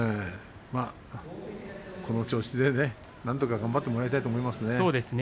この調子でなんとか頑張ってもらいたいと思いますね。